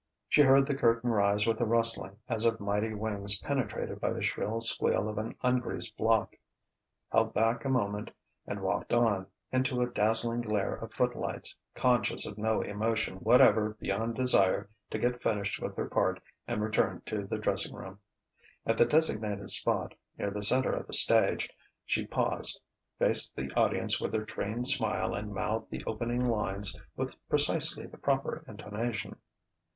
She heard the curtain rise with a rustling as of mighty wings penetrated by the shrill squeal of an ungreased block; held back a moment; and walked on, into a dazzling glare of footlights, conscious of no emotion whatever beyond desire to get finished with her part and return to the dressing room. At the designated spot, near the centre of the stage, she paused, faced the audience with her trained smile and mouthed the opening lines with precisely the proper intonation....